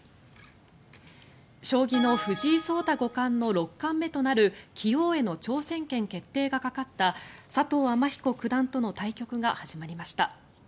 将棋の藤井聡太五冠の六冠目となる棋王戦挑戦権決定がかかった佐藤天彦九段との対局が始まりました。